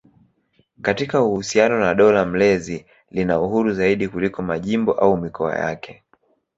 Katika uhusiano na dola mlezi lina uhuru zaidi kuliko majimbo au mikoa yake.